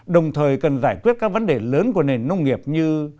đồng thời cần giải quyết các vấn đề lớn của nền nông nghiệp như